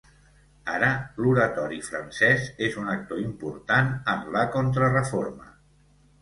Ara, l'Oratori francès és un actor important en la Contrareforma.